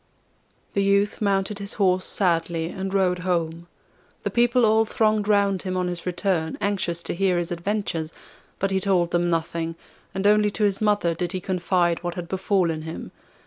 The youth mounted his horse sadly, and rode home. The people all thronged round him on his return, anxious to hear his adventures, but he told them nothing, and only to his mother did he confide what had befallen him.